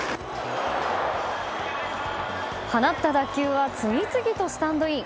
放った打球は次々とスタンドイン。